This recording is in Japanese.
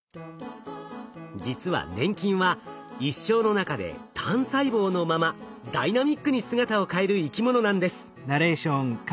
実は粘菌は一生の中で単細胞のままダイナミックに姿を変える生き物なんです。